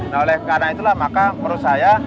nah oleh karena itulah maka menurut saya